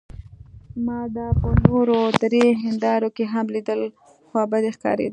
ما دا په نورو درې هندارو کې هم لیدل، خوابدې ښکارېده.